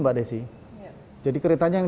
mbak desi jadi keretanya yang